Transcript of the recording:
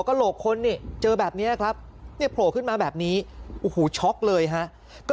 กระโหลกคนนี่เจอแบบนี้ครับโผล่ขึ้นมาแบบนี้ช็อคเลยฮะก็